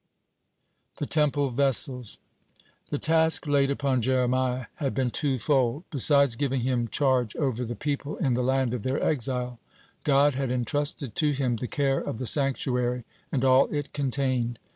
(58) THE TEMPLE VESSELS The task laid upon Jeremiah had been twofold. Besides giving him charge over the people in the land of their exile, God had entrusted to him the care of the sanctuary and all it contained.